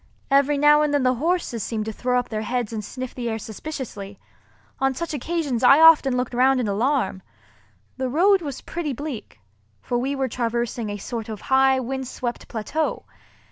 Every now and then the horses seemed to throw up their heads and sniff the air suspiciously. On such occasions I often looked round in alarm. The road was pretty bleak, for we were traversing a sort of high windswept plateau.